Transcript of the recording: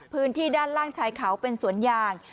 พื้นที่ด้านล่างชายเขาเป็นสวนยาง